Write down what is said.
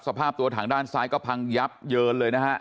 สภาพตัวถังด้านซ้ายก็พังยับเยินเลยนะฮะ